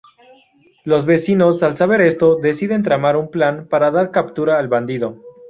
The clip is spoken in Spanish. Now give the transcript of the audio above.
Los vecinos, al saber esto, deciden tramar un plan para dar captura al bandido.